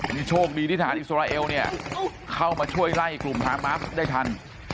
นี่โชคดีที่ทหารอิสราเอลเนี่ยเข้ามาช่วยไล่กลุ่มฮามาสได้ทัน